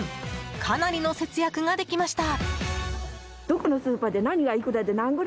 かなりの節約ができました。